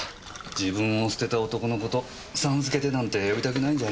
自分を捨てた男の事「さん」付けでなんて呼びたくないんじゃありません？